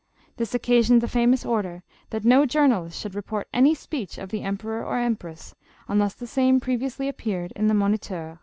This occasioned the famous order that no journalist should report any speech of the emperor or empress, unless the same pre viously appeared in the ' Moniteur.'